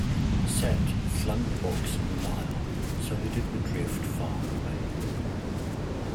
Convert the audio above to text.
Set flung the box in the Nile so that it would drift far away.